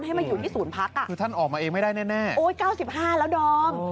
ให้มาอยู่ที่ศูนย์พักอ่ะคือท่านออกมาเองไม่ได้แน่โอ้ย๙๕แล้วดอม